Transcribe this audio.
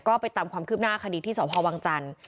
ก็ไปตามความคืบหน้าคดีที่สพวังจันทร์